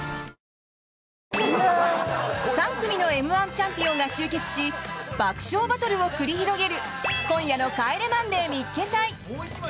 チャンピオンが集結し爆笑バトルを繰り広げる、今夜の「帰れマンデー見っけ隊！！」。